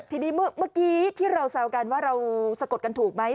ทีนี้เมื่อกี้ที่เราแซวกันว่าเราสะกดกันถูกไหม